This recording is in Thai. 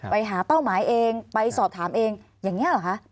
เป้าหมายเองไปสอบถามเองอย่างนี้เหรอคะ